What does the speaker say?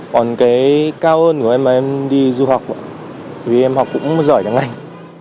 còn cái cao hơn của em là em đi du học vì em học cũng giỏi cả ngành